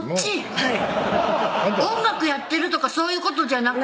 はい音楽やってるとかそういうことじゃなく？